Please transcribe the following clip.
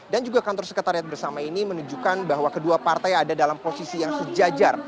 dan juga kantor sekretariat bersama ini menunjukkan bahwa kedua partai ada dalam posisi yang sejajar